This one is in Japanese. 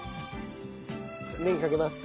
ネギかけます。